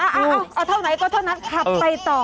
เอาเท่าไหนก็เท่านั้นขับไปต่อ